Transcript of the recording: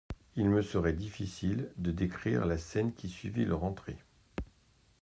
Il me serait difficile de décrire la scène qui suivit leur entrée.